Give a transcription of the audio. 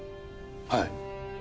はい。